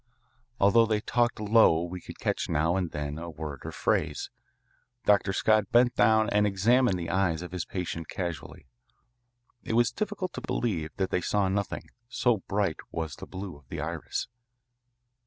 Although they talked low we could catch now and then a word or phrase. Dr. Scott bent down and examined the eyes of his patient casually. It was difficult to believe that they saw nothing, so bright was the blue of the iris.